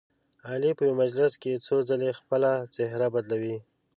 علي په یوه مجلس کې څو ځلې خپله څهره بدلوي.